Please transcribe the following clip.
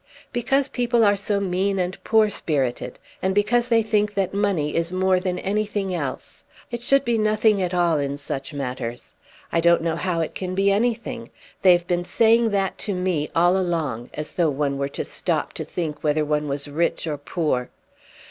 "Because people are so mean and poor spirited; and because they think that money is more than anything else. It should be nothing at all in such matters. I don't know how it can be anything. They have been saying that to me all along, as though one were to stop to think whether one was rich or poor."